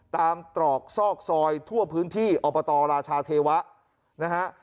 ตรอกซอกซอยทั่วพื้นที่อบตราชาเทวะนะฮะ